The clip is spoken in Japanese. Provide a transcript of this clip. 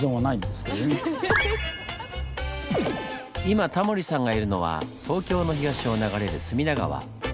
今タモリさんがいるのは東京の東を流れる隅田川。